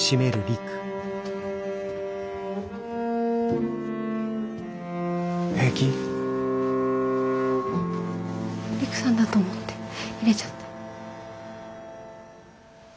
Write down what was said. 陸さんだと思って入れちゃって。